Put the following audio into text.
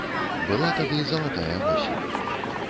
Была тады залатая восень.